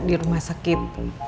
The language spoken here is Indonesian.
di rumah sakit